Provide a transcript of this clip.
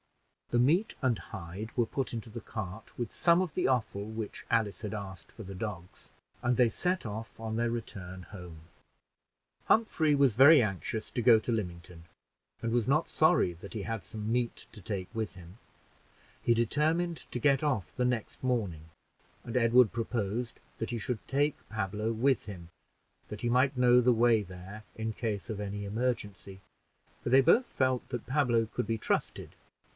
The meat and hide were put into the cart, with some of the offal which Alice had asked for the dogs, and they set off on their return home. Humphrey was very anxious to go to Lymington, and was not sorry that he had some meat to take with him: he determined to get off the next morning, and Edward proposed that he should take Pablo with him, that he might know the way there in case of any emergency, for they both felt that Pablo could be trusted.